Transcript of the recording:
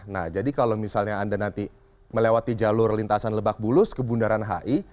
nah jadi kalau misalnya anda nanti melewati jalur lintasan lebak bulus ke bundaran hi